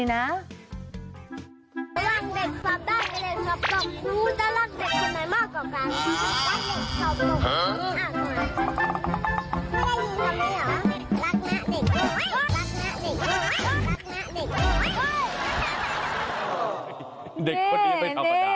นั่นสินะ